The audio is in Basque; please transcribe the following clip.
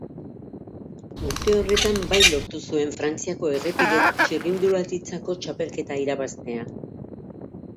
Urte horretan bai lortu zuen Frantziako errepide txirrindularitzako txapelketa irabaztea.